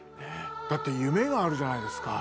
だって夢があるじゃないですか。